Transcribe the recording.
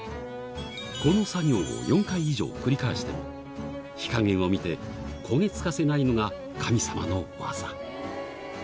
この作業を４回以上繰り返しても、火加減を見て、焦げつかせないのが神様の技。